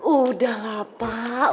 udah lah pak